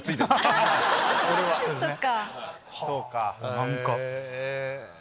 何か。